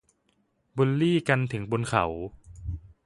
บุลลี่กันถึงบนเขา